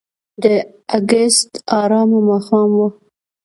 د اګست آرامه ماښام و.